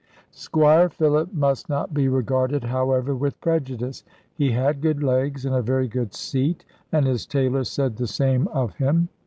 Squire Philip must not be regarded, however, with prejudice. He had good legs, and a very good seat, and his tailor said the same of him.